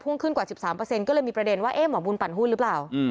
ขึ้นกว่า๑๓ก็เลยมีประเด็นว่าหมอบุญปั่นหุ้นหรือเปล่า